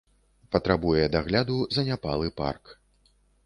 Патрабуе дагляду заняпалы парк.